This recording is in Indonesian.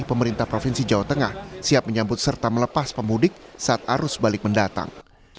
pemerintah provinsi jawa tengah siap menyambut serta melepas pemudik saat arus balik mendatang